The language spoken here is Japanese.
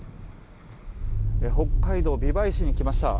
北海道美唄市に来ました。